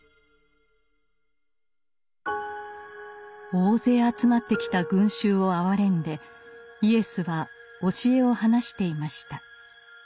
大勢集まってきた群衆をあわれんでイエスは教えを話していました。